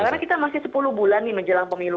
karena kita masih sepuluh bulan nih menjelang pemilu